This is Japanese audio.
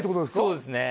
そうですね